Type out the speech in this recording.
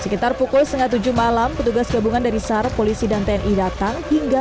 sekitar pukul setengah tujuh malam petugas gabungan dari sar polisi dan tni datang hingga